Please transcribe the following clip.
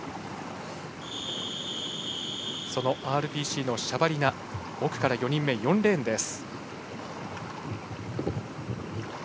ＲＰＣのシャバリナ奥から４人目、４レーンです。